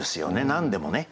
何でもね。